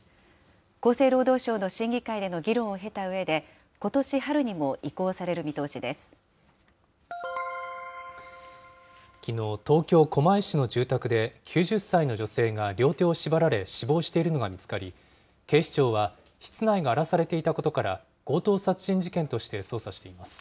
厚生労働省の審議会での議論を経たうえで、ことし春にも移行されきのう、東京・狛江市の住宅で、９０歳の女性が両手を縛られ死亡しているのが見つかり、警視庁は室内が荒らされていたことから、強盗殺人事件として捜査しています。